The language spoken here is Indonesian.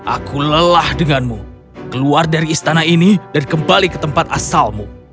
aku lelah denganmu keluar dari istana ini dan kembali ke tempat asalmu